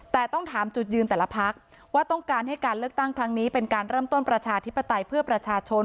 แต่ต้องถามจุดยืนแต่ละพักว่าต้องการให้การเลือกตั้งครั้งนี้เป็นการเริ่มต้นประชาธิปไตยเพื่อประชาชน